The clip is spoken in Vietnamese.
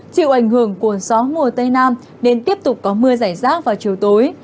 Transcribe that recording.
chịu ảnh hưởng của gió mùa tây nam nên tiếp tục có mưa giải rác vào chiều tối